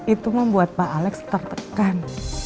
itu membuat pak alex tertekan